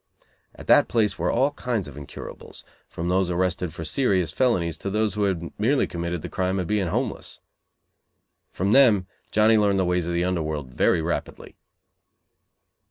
At that place were all kinds of incurables, from those arrested for serious felonies to those who had merely committed the crime of being homeless. From them Johnny learned the ways of the under world very rapidly.